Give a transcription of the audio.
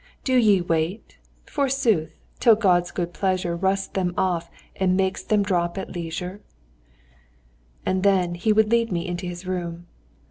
Do ye wait, forsooth! till God's good pleasure Rusts them off, and makes them drop at leisure?" And then he would lead me into his room.